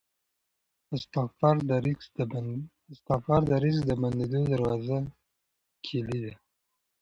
استغفار د رزق د بندو دروازو کیلي ده.